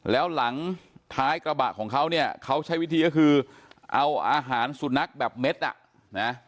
แล้วหลังท้ายกระบะของเขาเนี่ยเขาใช้วิธีก็คือเอาอาหารสุนัขแบบเม็ดอ่ะนะ